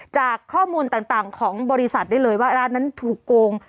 จากข้อมูลต่างของบริษัทได้เลยว่าร้านนั้นถูกโกง